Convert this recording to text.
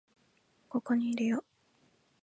ここにいるよ